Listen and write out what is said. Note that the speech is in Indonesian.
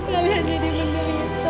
kalau ada ibu saya ikat ke jakarta